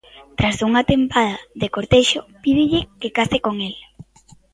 Tras unha tempada de cortexo, pídelle que case con el.